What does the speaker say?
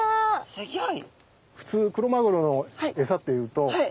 すギョい。